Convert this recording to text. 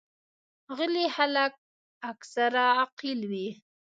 غلي خلک اکثره عاقل وي.